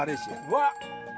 うわっ！